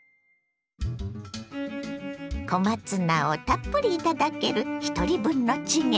小松菜をたっぷり頂けるひとり分のチゲ。